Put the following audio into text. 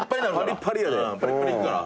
パリパリいくから。